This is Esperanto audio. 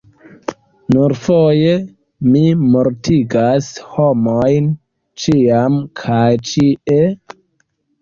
"Nur foje? Mi mortigas homojn ĉiam kaj ĉie."